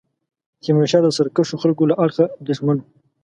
تیمورشاه د سرکښو خلکو له اړخه اندېښمن وو.